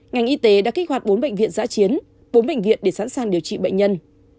ngành y tế đã kích hoạt bốn bệnh viện giã chiến bốn bệnh viện để sẵn sàng điều trị bệnh nhân